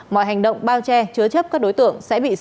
mọi hành động bao che chứa chấp các đối tượng sẽ bị xét